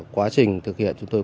quá trình thực hiện chúng tôi